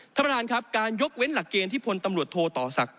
ท่านประธานครับการยกเว้นหลักเกณฑ์ที่พลตำรวจโทต่อศักดิ